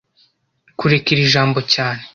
Kureka iri jambo cyane